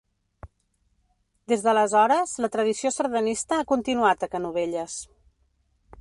Des d'aleshores, la tradició sardanista ha continuat a Canovelles.